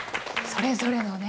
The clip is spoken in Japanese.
それぞれのね